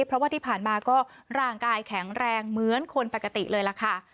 เพราะว่าที่ผ่านมาก็ร่างกายแข็งแรงเหมือนคนปกติเลยล่ะค่ะ